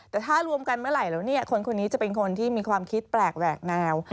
แต่ถ้ารวมกันเมื่อไหร่แล้วเนี่ยคนคนนี้จะเป็นคนที่มีความคิดแปลกแหวกแนว